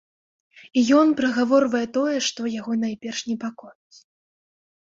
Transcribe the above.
І ён прагаворвае тое, што яго найперш непакоіць.